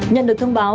nhận được thông báo